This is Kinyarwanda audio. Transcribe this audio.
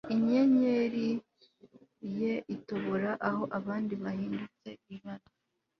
Inyenyeri ye itobora aho abandi bahindutse ibara